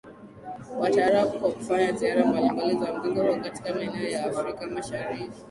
wa taarab kwa kufanya ziara mbalimbali za muziki huo katika maeneo ya afrika mashariki